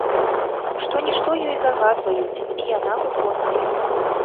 Што-нішто ёй загадваюць, і яна выконвае.